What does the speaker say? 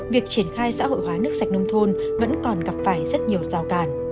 việc triển khai xã hội hóa nước sạch nông thôn vẫn còn gặp phải rất nhiều rào càn